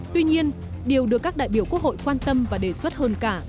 tuy nhiên điều được các đại biểu quốc hội quan tâm và đề xuất hơn cả